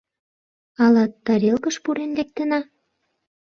— Ала “Тарелкыш” пурен лектына?